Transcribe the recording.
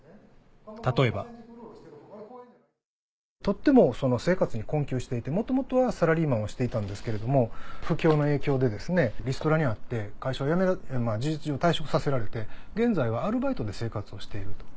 例えばとってもその生活に困窮していて元々はサラリーマンをしていたんですけれども不況の影響でリストラに遭って会社を辞める事実上退職させられて現在はアルバイトで生活をしている。